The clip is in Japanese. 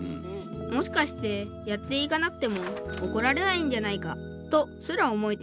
もしかしてやっていかなくてもおこられないんじゃないか？とすら思えてきた。